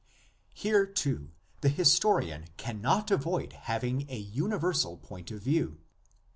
Here too the historian cannot avoid having a universal point of view.